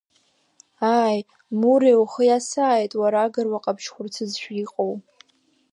Ааи, муре ухы иасааит уара агыруа ҟаԥшь хәырцызшәа иҟоу.